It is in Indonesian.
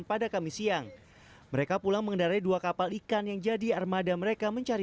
pada kamis siang mereka pulang mengendarai dua kapal ikan yang jadi armada mereka mencari